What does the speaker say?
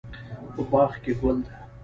په باغ کې ګل ده